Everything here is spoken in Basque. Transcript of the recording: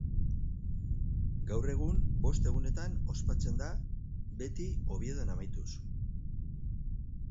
Gaur egun, bost egunetan ospatzen da, beti Oviedon amaituz.